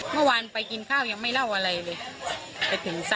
เมื่อวานไปกินข้าวยังไม่เล่าอะไรเลยไปถึงสั่งอาหารกินก็ยังเสิร์ฟ